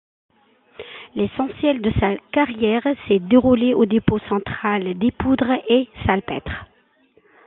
L’essentiel de sa carrière s’est déroulée au Dépôt central des Poudres et Salpêtres.